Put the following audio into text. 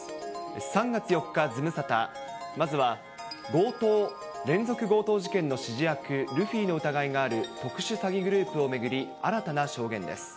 ３月４日ズムサタ、まずは連続強盗事件の指示役、ルフィの疑いがある特殊詐欺グループを巡り、新たな証言です。